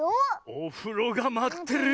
「おふろがまってるよ」。